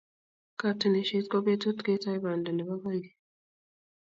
Katunisyet ko betutab ketoi banda nebo koikeny.